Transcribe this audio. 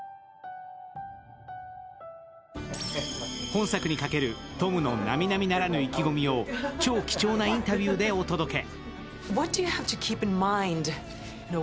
今作にかけるトムのなみなみならぬ意気込みを超貴重なインタビューでお届け。